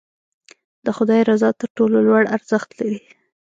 د خدای رضا تر ټولو لوړ ارزښت لري.